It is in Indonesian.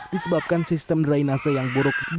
disebabkan sistem drainase yang buruk